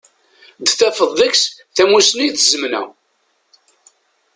Dd tafeḍ deg-s tamusni d tzemna.